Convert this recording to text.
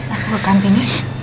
aku ke kantin ya